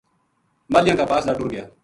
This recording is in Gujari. ماہلیاں کا پاس دا ٹُر گیا